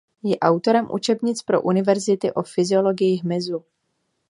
Je autorem učebnic pro univerzity o fyziologii hmyzu.